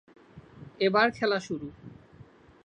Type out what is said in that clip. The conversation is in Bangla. এবার খেলা শুরু।